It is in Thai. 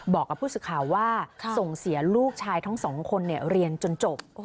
บอกกับผู้สื่อข่าวว่าส่งเสียลูกชายทั้งสองคนเรียนจนจบ